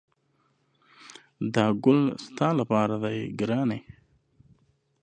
دا ګل ستا لپاره دی ګرانې!